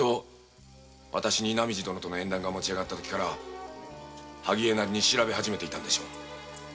わたしに浪路殿との縁談がもちあがった時から萩絵なりに調べ始めていたのでしょう。